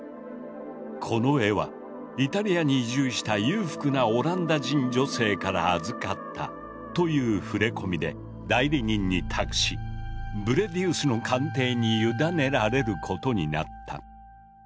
この絵は「イタリアに移住した裕福なオランダ人女性から預かった」という触れ込みで代理人に託しブレディウスの鑑定に委ねられることになった。